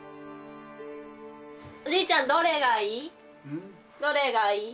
おじいちゃんどれがいい？